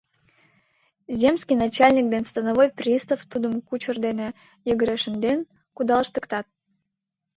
Земский начальник ден становой пристав тудым кучыр дене йыгыре шынден кудалыштыктат.